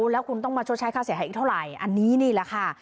แล้วคุณต้องมาชดใช้ค่าเสียหายอีกเท่าไหร่อันนี้นี่แหละค่ะ